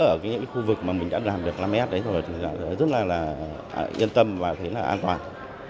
ở những khu vực mà mình đã làm được năm s đấy rồi thì rất là yên tâm và thấy là an toàn